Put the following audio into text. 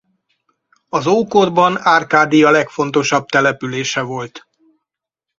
Az ókorban Árkádia legfontosabb települése volt.